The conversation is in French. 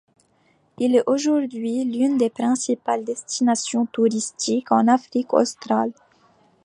Il est aujourd'hui l'une des principales destinations touristiques en Afrique australe.